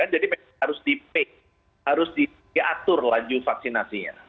jadi harus diatur lanjut vaksinasi